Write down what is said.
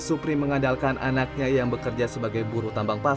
supri mengandalkan anaknya yang bekerja sebagai buru tambang pasang